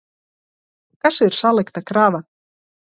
Kas ir salikta krava?